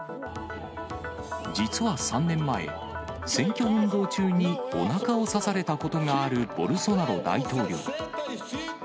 実は３年前、選挙運動中におなかを刺されたことがあるボルソナロ大統領。